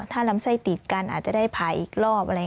ถ้าลำไส้ติดกันอาจจะได้ผ่าอีกรอบอะไร